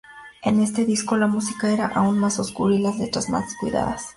En este disco la música era aún más oscura y las letras más cuidadas.